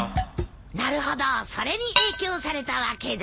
なるほどそれに影響されたわけだ。